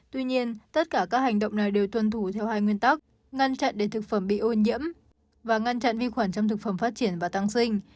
tuy nhiên tất cả các hành động này đều tuân thủ theo hai nguyên tắc ngăn chặn để thực phẩm bị ô nhiễm và ngăn chặn vi khuẩn trong thực phẩm phát triển và tăng sinh